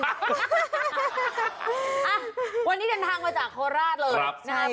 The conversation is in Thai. อ่ะวันนี้เดินทางมาจากโทรลาศเลย